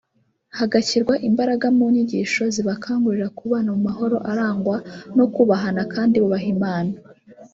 hagashyirwa imbaraga mu nyigisho zibakangurira kubana mu mahoro arangwa no kubahana kandi bubaha Imana